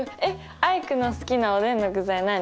アイクの好きなおでんの具材何？